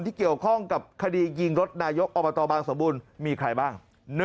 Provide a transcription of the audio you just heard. ที่เกี่ยวข้องกับคดียิงรถนายกอบตบางสมบูรณ์มีใครบ้าง